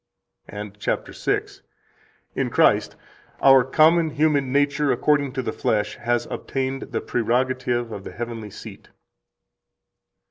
49 And cap. 6 (p. 108): "In Christ our common [human] nature, according to the flesh, has obtained the prerogative of the heavenly seat."